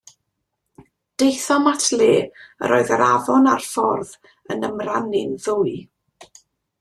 Daethom at le yr oedd yr afon a'r ffordd yn ymrannu'n ddwy.